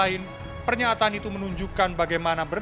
ini atau bagaimanapun